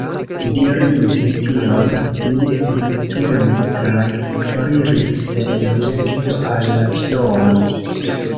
Dirinte tion, li sin turnis kaj foriris en direkto al la domo.